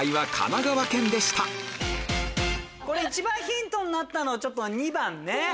これ一番ヒントになったのは２番ね。